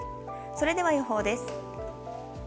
それでは予報です。